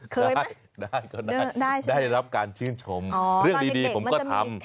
ได้ได้ก็ได้รับการชื่นชมเรื่องดีผมก็ทำ